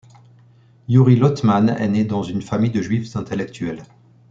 Youri Lotman est né dans une famille de juifs intellectuels.